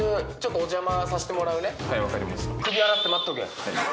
はい分かりました。